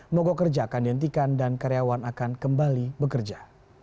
mogok kerja akan dihentikan dan karyawan akan kembali bekerja